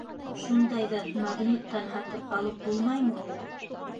Шундайҙы Магниттан һатып алып булмаймы ул?